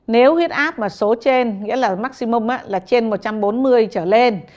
nếu huyết áp mà số trên nghĩa là maximum là trên một trăm bốn mươi trở lên